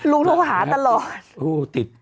ลุงเท่าขาตลอด